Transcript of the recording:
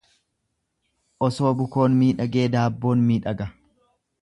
Osoo bukoon miidhagee daabboon miidhaga.